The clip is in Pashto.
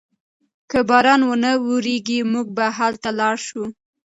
که باران و نه وریږي موږ به هلته لاړ شو.